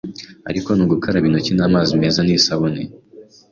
ariko nu gukaraba intoki n'amazi meza n'isabune